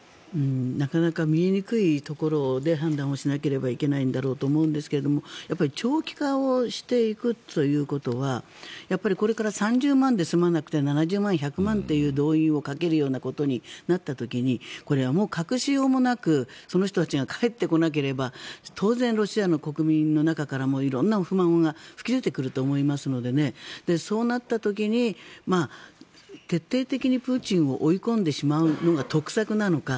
なかなか見えにくいところで判断をしなければいけないんだろうと思いますが長期化をしていくということはこれから３０万で済まなくて７０万、１００万という動員をかけるようなことになった時にこれはもう隠しようもなくその人たちが帰ってこなければ当然、ロシアの国民の中からも色んな不満が噴き出てくると思いますのでそうなった時に決定的にプーチンを追い込んでしまうのが得策なのか。